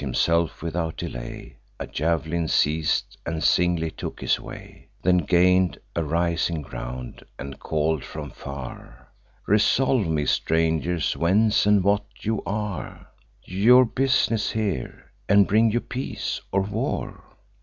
Himself without delay A jav'lin seiz'd, and singly took his way; Then gain'd a rising ground, and call'd from far: "Resolve me, strangers, whence, and what you are; Your bus'ness here; and bring you peace or war?"